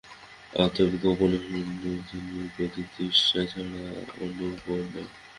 অতএব গোপনে সন্ন্যাসীর প্রতি দৃষ্টি ছাড়া অন্য উপায় নাই।